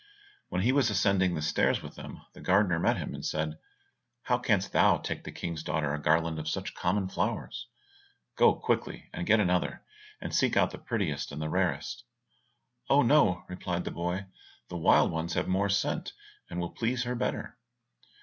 When he was ascending the stairs with them, the gardener met him, and said, "How canst thou take the King's daughter a garland of such common flowers? Go quickly, and get another, and seek out the prettiest and rarest." "Oh, no," replied the boy, "the wild ones have more scent, and will please her better."